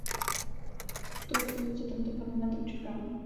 To je to, co tento Parlament očekává.